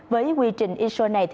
với quy trình iso này